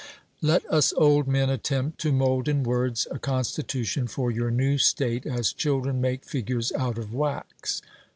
Let us old men attempt to mould in words a constitution for your new state, as children make figures out of wax.